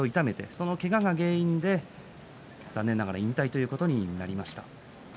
そのけがが原因で残念ながら引退ということになりました。